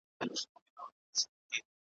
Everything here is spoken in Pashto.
چي د بادام له شګوفو مي تکي سرې وي وني `